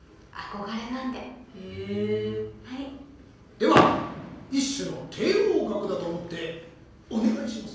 では一種の帝王学だと思ってお願いします